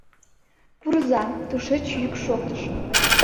— Пурыза, — тушеч йӱк шоктыш.